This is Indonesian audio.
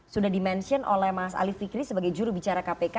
sudah di mention oleh mas ali fikri sebagai juru bicara kpk